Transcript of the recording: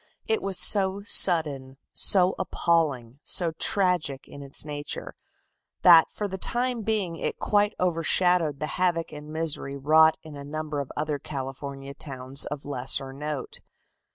It was so sudden, so appalling, so tragic in its nature, that for the time being it quite overshadowed the havoc and misery wrought in a number of other California towns of lesser note.